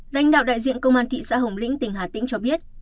lãnh đạo đại diện công an thị xã hồng lĩnh tỉnh hà tĩnh cho biết